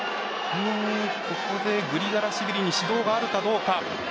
グリガラシビリに指導があるかどうか。